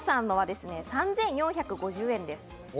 加藤さんのは３４５０円です。